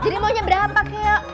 jadi maunya berapa keo